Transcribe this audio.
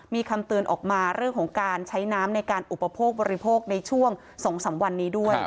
มีคำเตือนออกมาเรื่องของการใช้น้ำในการอุปโภคบริโภคในช่วง๒๓วันนี้ด้วย